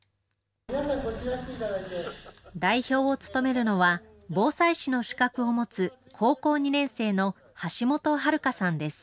代表を務めるのは、防災士の資格を持つ、高校２年生の橋本玄さんです。